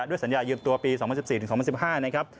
ด้วยสัญญายืมตัวปี๒๐๑๔ถึง๒๐๑๕